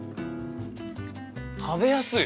食べやすい。